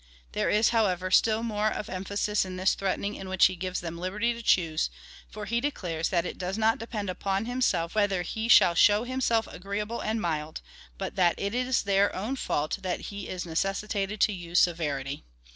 There is, however, still more of emphasis in this threatening in which he gives them liberty to choose, for he declares that it does not depend upon himself whether he shall show himself agreeable and mild, but that it is their own fault that he is necessitated to use severity.